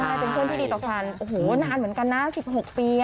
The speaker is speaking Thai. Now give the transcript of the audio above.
ใช่เป็นเพื่อนที่ดีต่อกันโอ้โหนานเหมือนกันนะ๑๖ปี